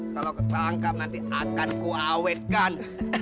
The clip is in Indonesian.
kalau ketangkap nanti akan kuawetkan